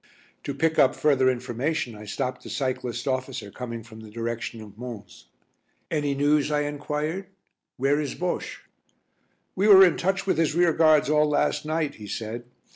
To pick up further information I stopped a cyclist officer coming from the direction of Mons. "Any news?" I enquired. "Where is Bosche?" "We were in touch with his rearguards all last night," he said.